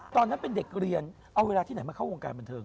ตอนนั้นเป็นเด็กเรียนเอาเวลาที่ไหนมาเข้าวงการบันเทิง